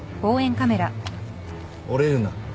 折れるな。